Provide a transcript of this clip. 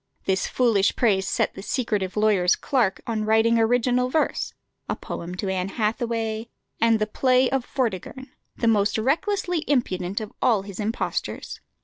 This foolish praise set the secretive lawyer's clerk on writing original verse, a poem to Anne Hathaway, and the play of "Vortigern," the most recklessly impudent of all his impostures.